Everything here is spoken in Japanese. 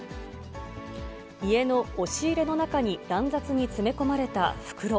家の押し入れの中に乱雑に詰め込まれた袋。